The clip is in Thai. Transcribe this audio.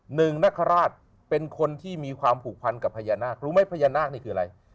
นคราชเป็นคนที่มีความผูกพันกับพญานาครู้ไหมพญานาคนี่คืออะไร